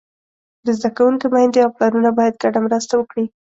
د زده کوونکو میندې او پلرونه باید ګډه مرسته وکړي.